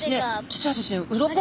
実はですね